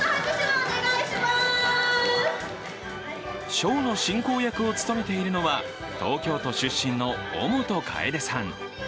ショーの進行役を務めているのは、東京都出身の尾本楓さん。